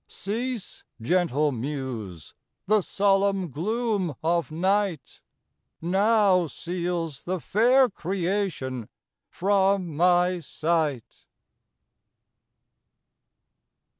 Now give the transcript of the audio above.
Cease, gentle muse! the solemn gloom of night Now seals the fair creation from my sight.